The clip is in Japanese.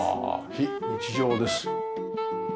非日常です。